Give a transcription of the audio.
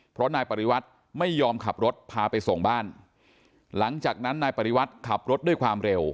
เพราะนายปริวัติไม่ยอมขับรถพาไปส่งบ้านหลังจากนั้นนายปริวัติขับรถด้วยความเร็ว